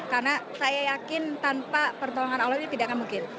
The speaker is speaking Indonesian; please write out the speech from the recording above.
karena saya yakin tanpa pertolongan allah ini tidak akan mungkin